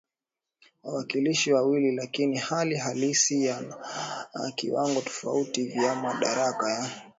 wawakilishi wawili Lakini hali halisi yana viwango tofauti vya madaraka ya